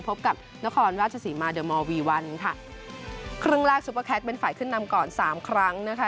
พบกับนครราชสีมาเดอร์มอลวีวันค่ะครึ่งแรกซุปเปอร์แคทเป็นฝ่ายขึ้นนำก่อนสามครั้งนะคะ